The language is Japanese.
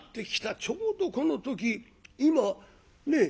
ちょうどこの時今ねえ